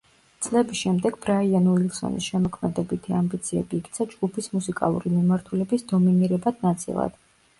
წლების შემდეგ ბრაიან უილსონის შემოქმედებითი ამბიციები იქცა ჯგუფის მუსიკალური მიმართულების დომინირებად ნაწილად.